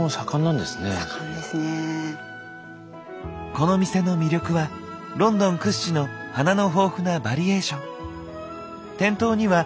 この店の魅力はロンドン屈指の花の豊富なバリエーション。